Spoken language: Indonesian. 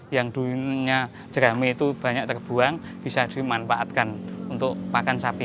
yang dulunya jerami itu banyak terbuang bisa dimanfaatkan untuk pakan sapi